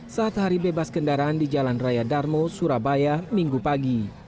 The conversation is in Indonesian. saat hari bebas kendaraan di jalan raya darmo surabaya minggu pagi